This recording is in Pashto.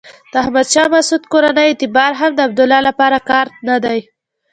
د احمد شاه مسعود کورنۍ اعتبار هم د عبدالله لپاره کارت نه دی.